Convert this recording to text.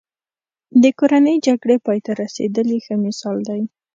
د کورنۍ جګړې پای ته رسېدل یې ښه مثال دی.